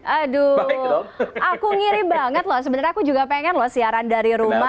aduh aku ngiri banget loh sebenernya aku juga pengen loh siaran dari rumah